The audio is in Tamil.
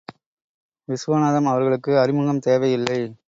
விசுவநாதம் அவர்களுக்கு அறிமுகம் தேவையில்லை.